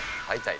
はい。